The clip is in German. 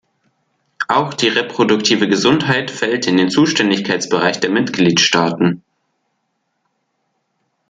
Auch die reproduktive Gesundheit fällt in den Zuständigkeitsbereich der Mitgliedstaaten.